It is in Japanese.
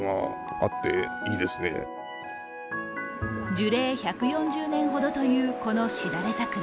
樹齢１４０年ほどという、このしだれ桜。